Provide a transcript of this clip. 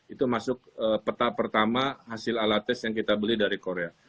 itu masuk peta pertama hasil alat tes yang kita beli dari korea